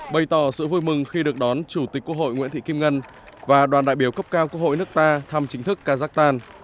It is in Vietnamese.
bày tỏ sự vui mừng khi được đón chủ tịch quốc hội nguyễn thị kim ngân và đoàn đại biểu cấp cao quốc hội nước ta thăm chính thức kazakhstan